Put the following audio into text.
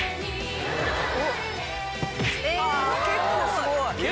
結構すごい！